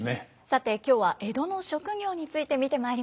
さて今日は江戸の職業について見てまいりました。